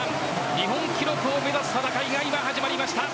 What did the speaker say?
日本記録を目指す戦いが今、始まりました。